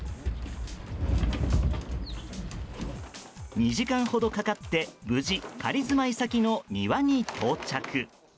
２時間ほどかかって無事、仮住まい先の庭に到着。